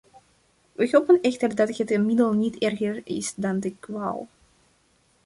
We hopen echter dat het middel niet erger is dan de kwaal.